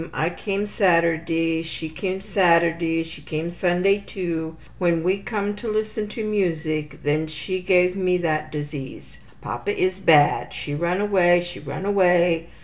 I came Saturday. She came Saturday. She came Sunday, too. When we come to listen to music then she gave to me that disease. ``Papa is bad. She run away. She run away.